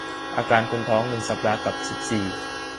อาการคนท้อง หนึ่ง สัปดาห์ กับ สิบสี่